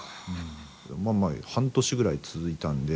半年ぐらい続いたんで。